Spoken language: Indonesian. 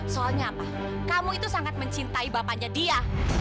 soalnya apa kamu itu sangat mencintai bapaknya dia